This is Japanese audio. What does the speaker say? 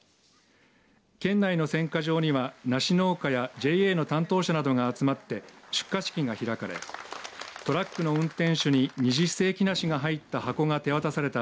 県内の選果場には梨農家やＪＡの担当者などが集まって出荷式が開かれトラックの運転手に二十世紀梨が入った箱が手渡された